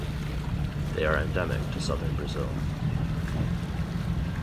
They are endemic to southern Brazil.